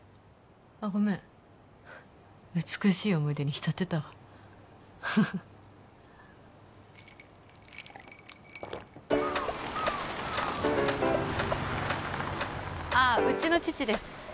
あゴメン美しい思い出に浸ってたわハハッあっうちの父です